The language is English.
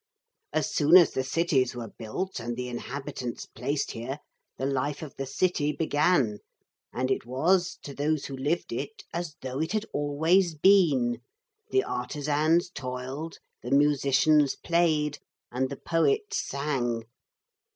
As soon as the cities were built and the inhabitants placed here the life of the city began, and it was, to those who lived it, as though it had always been. The artisans toiled, the musicians played, and the poets sang.